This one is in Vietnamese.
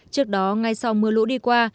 trước đó ngay sau mưa lũ đi qua